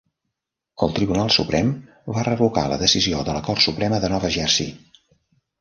El Tribunal Suprem va revocar la decisió de la Cort Suprema de Nova Jersey.